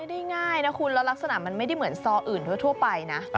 ได้ง่ายนะคุณแล้วลักษณะมันไม่ได้เหมือนซออื่นทั่วไปนะ